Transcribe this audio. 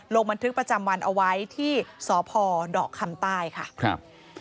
ลงบันทึกประจำวันเอาไว้ที่สพดคัมต้ายค่ะ